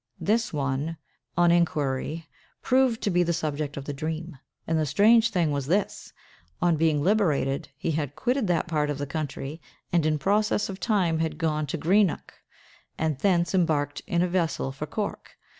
This one, on inquiry, proved to be the subject of the dream; and the strange thing was this: On being liberated, he had quitted that part of the country, and in process of time had gone to Greenock, and thence embarked in a vessel for Cork.